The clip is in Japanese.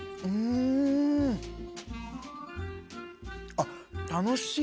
あっ楽しい。